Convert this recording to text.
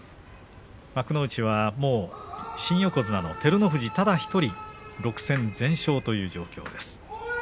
幕内はもう新横綱の照ノ富士ただ１人６戦全勝という状況です。